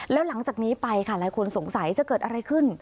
แล้วหลังจากนี้ไปค่ะหลายคนสงสัยจะเกิดอะไรขึ้น